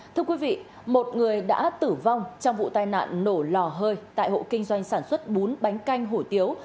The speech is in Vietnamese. thưa quý vị một người đã tử vong trong vụ tai nạn nổ lò hơi tại hộ kinh doanh sản xuất bún bánh canh hủ tiếu